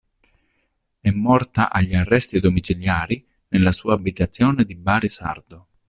È morta agli arresti domiciliari nella sua abitazione di Bari Sardo.